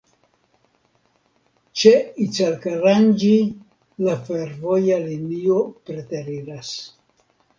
Ĉe Icalkaranĝi la fervoja linio preteriras.